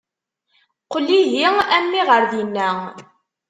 Qel ihi a mmi ɣer dinna.